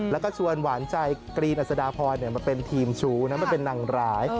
แล้วก็ชวนหวานใจกรีนอัศดาพรมาเป็นทีมชู้นะมาเป็นนางร้าย